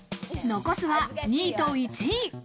残すは２位と１位。